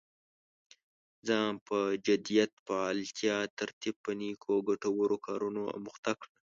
ځان په جديت، فعاليتا، ترتيب په نيکو او ګټورو کارونو اموخته کړه.